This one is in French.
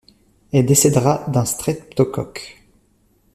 Elle décédera d'un streptocoque.